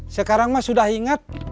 sekarang mas sudah ingat